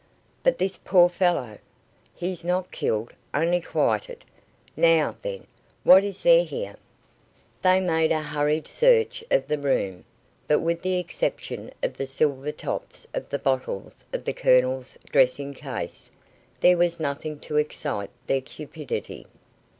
"But this poor fellow?" "He's not killed, only quieted. Now, then, what is there here?" They made a hurried search of the room, but with the exception of the silver tops of the bottles of the Colonel's dressing case, there was nothing to excite their cupidity.